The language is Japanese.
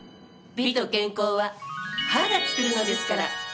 美と健康は歯が作るのですから！